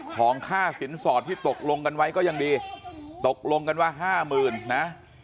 ของค่าสินสอดที่ตกลงกันไว้ก็ยังดีตกลงกันว่าห้าหมื่นนะ